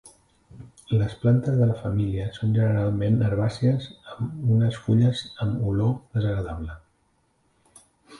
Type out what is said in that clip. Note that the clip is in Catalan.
Les plantes de la família són generalment herbàcies i amb unes fulles amb olor desagradable.